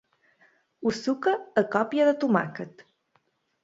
Ho suca a còpia de tomàquet.